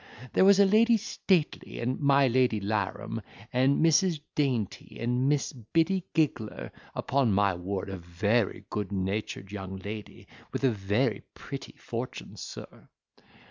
There was Lady Stately and my Lady Larum, and Mrs. Dainty, and Miss Biddy Giggler, upon my word, a very good natured young lady, with a very pretty fortune sir.